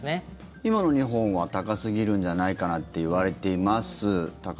今の日本は高すぎるんじゃないかなっていわれています。